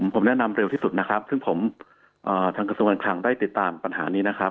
ผมแนะนำเร็วที่สุดนะครับซึ่งผมทางกระทรวงการคลังได้ติดตามปัญหานี้นะครับ